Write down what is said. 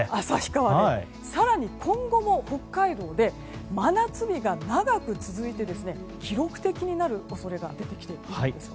更に今後も北海道で真夏日が長く続いて記録的になる恐れが出てきています。